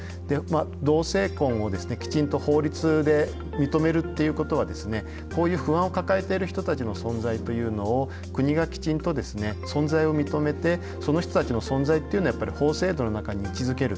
同性婚をですねきちんと法律で認めるっていうことはですねこういう不安を抱えている人たちの存在というのを国がきちんと存在を認めてその人たちの存在っていうのをやっぱり法制度の中に位置づける。